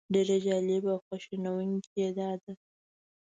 ډېره جالبه او خواشینونکې یې دا ده.